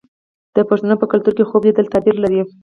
د پښتنو په کلتور کې خوب لیدل تعبیر لري.